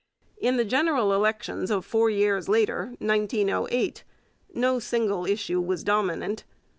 In the general elections of four years later (1908) no single issue was dominant.